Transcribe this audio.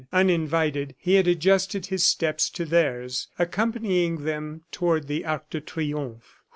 Uninvited, he had adjusted his steps to theirs, accompanying them toward the Arc de Triomphe.